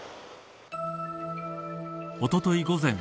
おととい午前